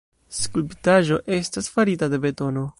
Skulptaĵo estas farita de betono.